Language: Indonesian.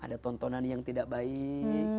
ada tontonan yang tidak baik